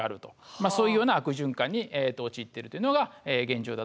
そういうような悪循環に陥っているというのが現状だと思います。